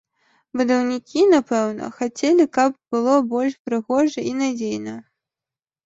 Будаўнікі, напэўна, хацелі, каб было больш прыгожа і надзейна.